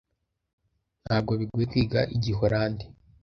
Ntabwo bigoye kwiga Igiholandi.